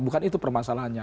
bukan itu permasalahannya